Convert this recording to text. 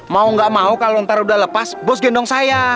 mau gak mau kalau ntar udah lepas bos gendong saya